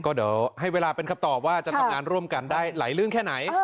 ก็เดี๋ยวให้เวลาเป็นคำตอบว่าจะทำงานร่วมกันได้หลายเรื่องแค่ไหน